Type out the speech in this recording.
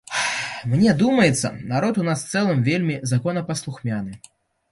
Мне думаецца, народ у нас у цэлым вельмі законапаслухмяны.